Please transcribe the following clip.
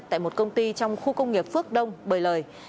tại một công ty trong khu công nghiệp phước đông bờ lời